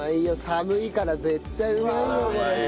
寒いから絶対うまいよこれ。